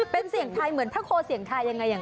เป็นเสียงไทยเหมือนพระโครเสียงไทย